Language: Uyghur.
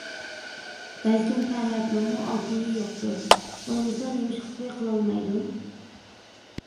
بەلكىم پەرھاتنىڭمۇ ئالتۇنى يوقتۇ! ؟ بولمىسا نېمىشقا توي قىلالمايدۇ؟ !